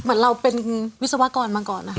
เหมือนเราเป็นวิศวกรมาก่อนนะคะ